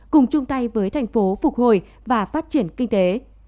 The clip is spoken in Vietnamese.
cùng chung tay với thành phố phục hồi và phát triển kinh tế